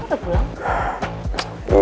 aduh aku mau pulang